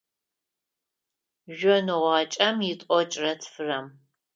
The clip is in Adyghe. Жъоныгъуакӏэм итӏокӏрэ тфырэм.